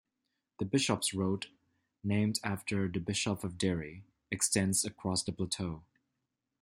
The Bishops Road, named after the Bishop of Derry, extends across the plateau.